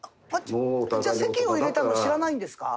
じゃあ籍を入れたの知らないんですか？